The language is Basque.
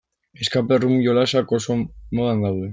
Escape-room jolasak oso modan daude.